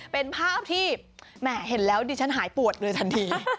เป็นภาพที่แหมเห็นแล้วดิฉันหายปวดเลยทันที